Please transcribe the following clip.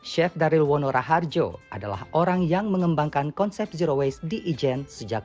chef daryl wonora harjo adalah orang yang mengembangkan konsep zero waste di ijen sejak dua ribu tujuh belas